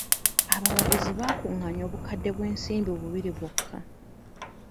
Abawagizi baakungaanya obukadde bw'ensimbi bubiri bwokka.